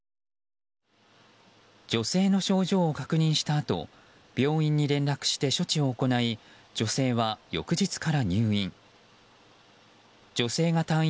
女性の症状を確認したあと病院に連絡して処置を行い女性は翌日から入院。